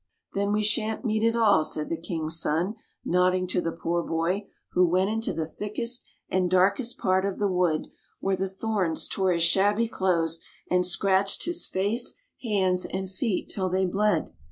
" Then we shan't meet at all," said the king's son, nodding to the poor boy, who went into the thickest and darkest part of the wood, where the thorns tore his shabby clothes and scratched his face, hands, and feet till they bled.